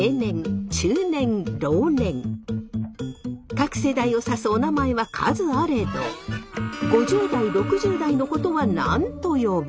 各世代を指すおなまえは数あれど５０代６０代のことは何と呼ぶ？